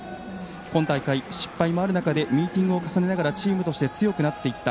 今大会、失敗もある中でミーティングをとおしてチームとして強くなってきた。